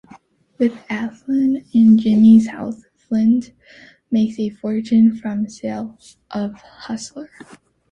With Althea and Jimmy's help, Flynt makes a fortune from sales of "Hustler".